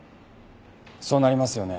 そうなりますよね？